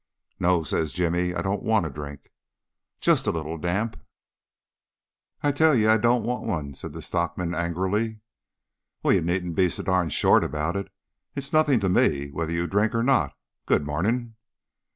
"No," says Jimmy, "I don't want a drink." "Just a little damp." "I tell ye I don't want one," says the stockman angrily. "Well, ye needn't be so darned short about it. It's nothin' to me whether you drinks or not. Good mornin'."